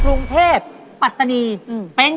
เชิงเชิงเชิงเชิง